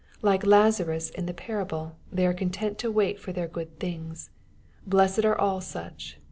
Like Lazarus in the parable, they are content to wait for their good things. Blessed are all such